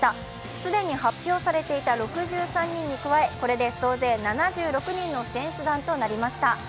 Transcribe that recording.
既に発表されていた６３人に加えこれで総勢７６人の選手団となりました。